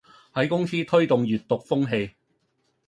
喺公司推動閱讀風氣